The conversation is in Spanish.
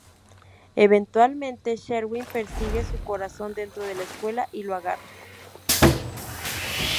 Eventualmente, Sherwin persigue su corazón dentro de la escuela y lo agarra.